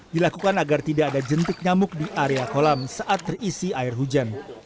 dilakukan agar tidak ada jentik nyamuk di area kolam saat terisi air hujan